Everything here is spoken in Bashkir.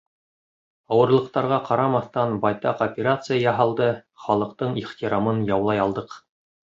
Ауырлыҡтарға ҡарамаҫтан, байтаҡ операция яһалды, халыҡтың ихтирамын яулай алдыҡ.